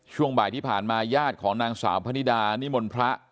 ช่วงบ่ายที่ผ่านมาญาติของนางสาวพนิดานิมนต์พระ